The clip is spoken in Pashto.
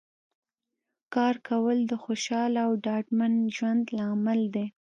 کار کول د خوشحاله او ډاډمن ژوند لامل دی